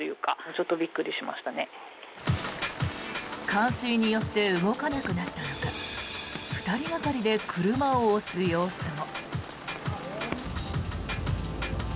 冠水によって動かなくなったのか２人がかりで車を押す様子も。